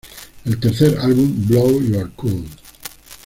El tercer álbum, "Blow Your Cool!